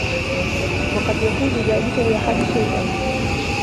وَقَدْ يَكُونُ ذَلِكَ لِأَحَدِ شَيْئَيْنِ